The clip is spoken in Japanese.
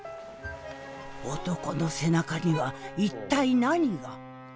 男の背中には一体何が？